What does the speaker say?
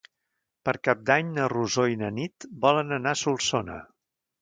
Per Cap d'Any na Rosó i na Nit volen anar a Solsona.